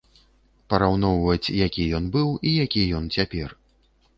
Параўноўваць, які ён быў і які ён цяпер.